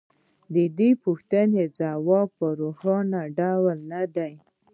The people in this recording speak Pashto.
د دې پوښتنې ځواب په روښانه ډول نه دی